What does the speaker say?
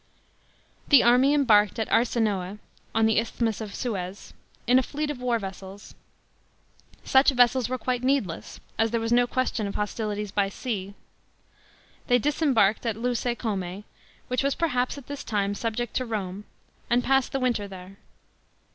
The army embarked at Arsinoe (on the Isthmus of Suez) in a fleet of war vessels. Such vessels were quite needless, as there was no question of hostilities by sea. They disembarked at Lence* C6m6, which was perhaps at this time subject to Rome, and passed the winter there.